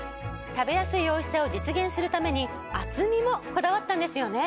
食べやすいおいしさを実現するために厚みもこだわったんですよね。